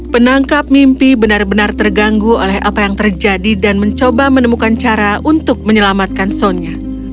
penangkap mimpi benar benar terganggu oleh apa yang terjadi dan mencoba menemukan cara untuk menyelamatkan sonya